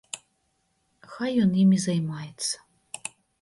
Хай ён імі займаецца.